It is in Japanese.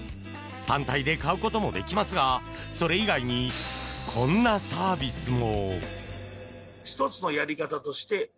単体で買うこともできますがそれ以外にこんなサービスも。